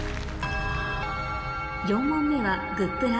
４問目は「＃グップラ」